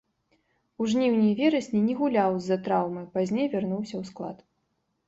У жніўні і верасні не гуляў з-за траўмы, пазней вярнуўся ў склад.